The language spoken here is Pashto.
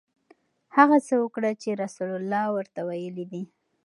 هغه څه وکړه چې رسول الله ورته ویلي دي.